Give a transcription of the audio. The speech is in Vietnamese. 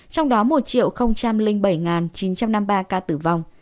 trong đó một bảy chín trăm một mươi